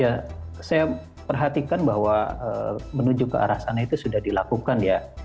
ya saya perhatikan bahwa menuju ke arah sana itu sudah dilakukan ya